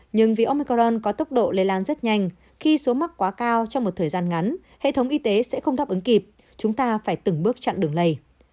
nhưng vì omicorn có tốc độ lây lan rất nhanh khi số mắc quá cao trong một thời gian ngắn hệ thống y tế sẽ không đáp ứng kịp chúng ta phải từng bước chặn đường lây